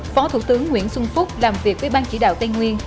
phó thủ tướng nguyễn xuân phúc làm việc với ban chỉ đạo tây nguyên